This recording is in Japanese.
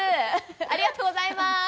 ありがとうございます。